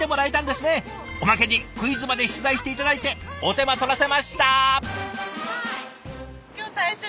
おまけにクイズまで出題して頂いてお手間取らせました。